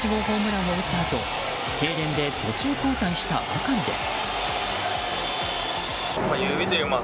先月２７日にも３８号ホームランを打ったあとけいれんで途中交代したばかりです。